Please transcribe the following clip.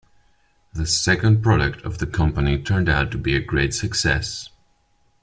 The second product of the company turned out to be a great success.